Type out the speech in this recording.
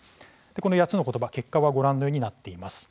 この８つの言葉結果はご覧のようになっています。